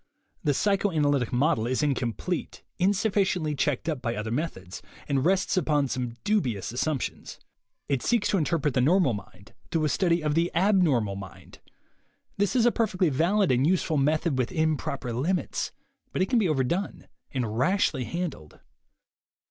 The psychoanalytic method is incomplete, insuf ficiently checked up by other methods, and rests upon some dubious assumptions. It seeks to interpret the normal mind through a study of the abnormal mind. This is a perfectly valid and useful method within proper limits, but it can be overdone and rashly handled.